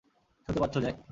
শুনতে পাচ্ছো, জ্যাক?